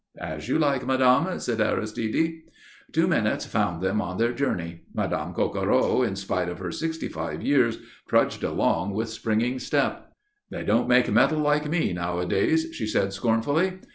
"As you like, Madame," said Aristide. Two minutes found them on their journey. Madame Coquereau, in spite of her sixty five years trudged along with springing step. "They don't make metal like me, nowadays," she said scornfully.